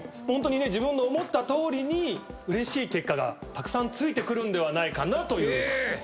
ホントに自分の思ったとおりにうれしい結果がたくさんついてくるんではないかなという。